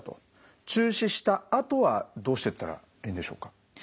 中止したあとはどうしてったらいいんでしょうか？